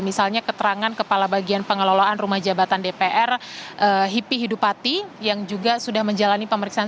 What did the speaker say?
misalnya keterangan kepala bagian pengelolaan rumah jabatan dpr hipi hidup pati yang juga sudah menjalani pemeriksaan